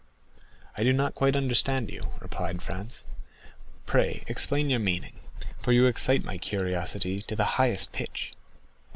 "I do not quite understand you," replied Franz; "pray explain your meaning, for you excite my curiosity to the highest pitch."